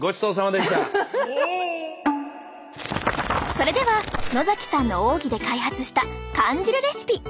それでは野さんの奥義で開発した缶汁レシピ。